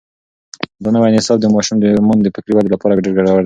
دا نوی نصاب د ماشومانو د فکري ودې لپاره ډېر ګټور دی.